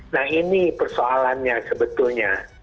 nah ini persoalannya sebetulnya